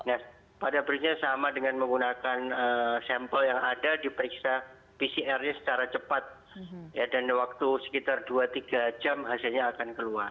nah pada prinsipnya sama dengan menggunakan sampel yang ada diperiksa pcr nya secara cepat dan waktu sekitar dua tiga jam hasilnya akan keluar